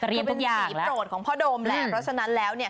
เรียนทุกอย่างแล้วคือเป็นสีโปรดของพ่อโดมแล้วเพราะฉะนั้นแล้ว